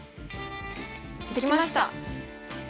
できました！